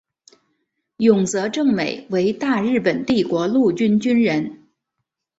永泽正美为大日本帝国陆军军人。